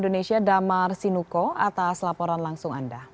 dan juga pak kapolri